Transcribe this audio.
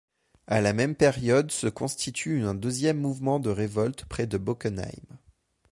À la même période se constitue un deuxième mouvement de révolte près de Bockenheim.